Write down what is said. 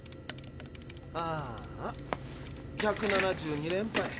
ああ１７２連敗。